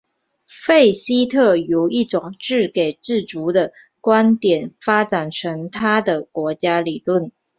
费希特由一种自给自足的观点发展出他的国家理论。